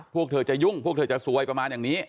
พวกเธอจะยุ่งพวกเธอจะซวยประมาณอย่างนี้